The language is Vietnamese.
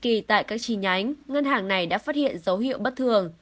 kỳ kỳ tại các trí nhánh ngân hàng này đã phát hiện dấu hiệu bất thường